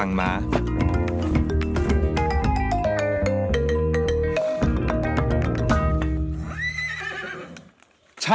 โอ้โห